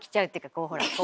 こうほら。